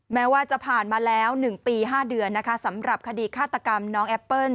แม้ว่าจะผ่านมาแล้ว๑ปี๕เดือนนะคะสำหรับคดีฆาตกรรมน้องแอปเปิ้ล